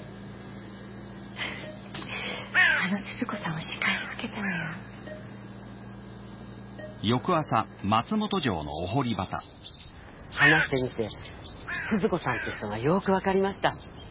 ウフあの鈴子さんをしかりつけたのよ話してみて鈴子さんって人がよーく分かりました